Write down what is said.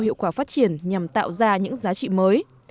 hiệu quả phát triển nhằm tạo ra những giá trị mới